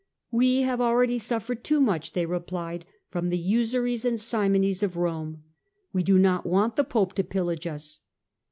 " We have already suffered too much," they replied, " from the usuries and simonies of Rome ; we do not want the Pope to pillage us."